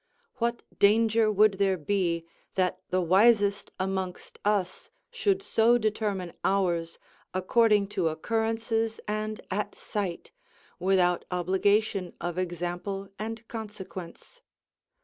What danger would there be that the wisest amongst us should so determine ours, according to occurrences and at sight, without obligation of example and consequence?